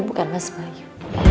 itu bukan mas bayu